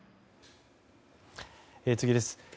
次です。